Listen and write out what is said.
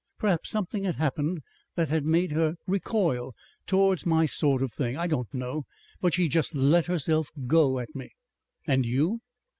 Perhaps something had happened that had made her recoil towards my sort of thing. I don't know. But she just let herself go at me." "And you?"